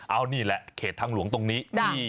เอานี่แหละเขตทางหลวงตรงนี้